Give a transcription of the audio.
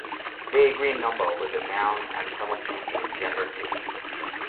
They agree in number with the noun, and some of them in gender, too.